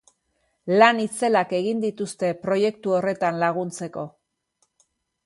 Lan itzelak egin dituzte proiektu horretan laguntzeko.